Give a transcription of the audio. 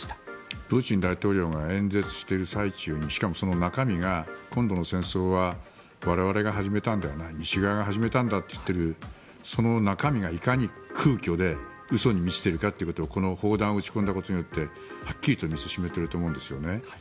プーチン大統領が演説している最中にしかも中身が、今度の戦争は我々が始めたのではない西側が始めたんだといっているその中身がいかに空虚で嘘に満ちているかをこの砲弾を撃ち込んだことによってはっきりと見せていると思うんですね。